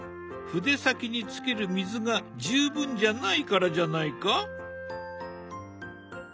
筆先につける水が十分じゃないからじゃないか？